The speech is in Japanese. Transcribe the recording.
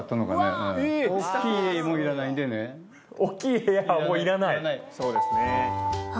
大っきい家はもういらない。